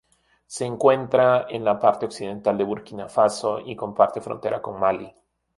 Se encuentra en la parte occidental de Burkina Faso y comparte frontera con Malí.